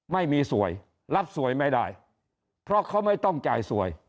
ไม่มีสวยรับสวยไม่ได้เพราะเขาไม่ต้องจ่ายสวย